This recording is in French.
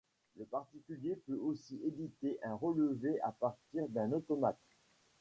Le particulier peut aussi éditer un relevé à partir d'un automate.